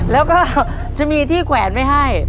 แล้วก็จะมีที่แขวนไว้ให้